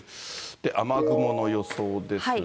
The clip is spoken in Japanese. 雨雲の予想ですが。